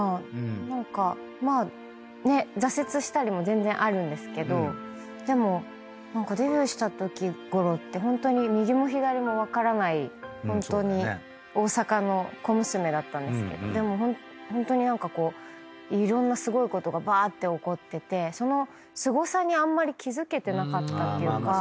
何かまあね挫折したりも全然あるんですけどでも何かデビューしたときごろってホントに右も左も分からない大阪の小娘だったんですけどでもいろんなすごいことがばーって起こっててそのすごさにあんまり気付けてなかったっていうか。